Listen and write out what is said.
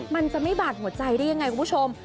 มันจะไม่บาดหัวใจได้ยังไงคุณผู้ชม